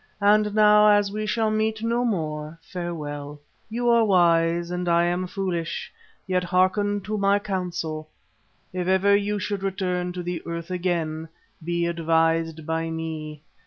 And now, as we shall meet no more farewell. You are wise and I am foolish, yet hearken to my counsel. If ever you should return to the Earth again, be advised by me.